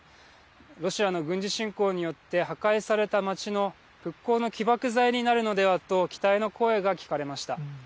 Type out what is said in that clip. ロシアの軍事侵攻によって破壊された町の復興の起爆剤になるのではと期待の声が聞かれました。